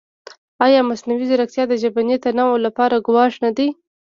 ایا مصنوعي ځیرکتیا د ژبني تنوع لپاره ګواښ نه دی؟